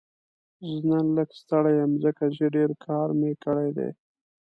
زه نن لږ ستړی یم ځکه چې ډېر کار مې کړی دی